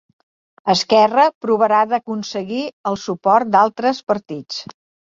Esquerra provarà d'aconseguir el suport d'altres partits.